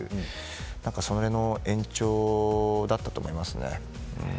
それの延長だったと思いますね。